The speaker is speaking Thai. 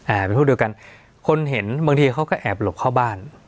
เป็นพวกเดียวกันคนเห็นบางทีเขาก็แอบหลบเข้าบ้าน